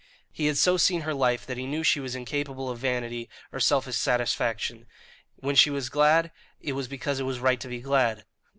He had so seen her life that he knew she was incapable of vanity or selfish satisfaction; when she was glad it was because it was right to be glad.